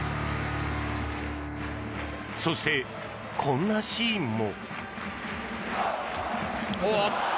そして、こんなシーンも。